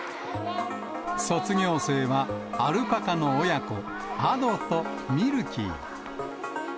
卒業生は、アルパカの親子、アドとミルキー。